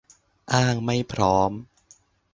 อ้างไม่พร้อม